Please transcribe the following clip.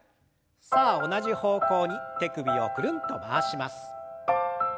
さあ同じ方向に手首をくるんと回します。